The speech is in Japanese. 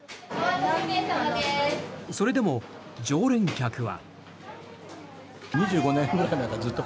それでも常連客は。